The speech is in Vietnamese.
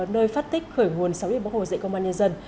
nơi phát tích khởi nguồn sáu hồ dạy công an nhân dân